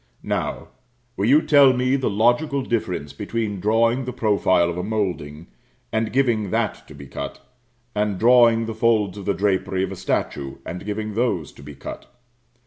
Now, will you tell me the logical difference between drawing the profile of a moulding and giving that to be cut, and drawing the folds of the drapery of a statue and giving those to be cut.